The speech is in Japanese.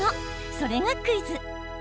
それがクイズ。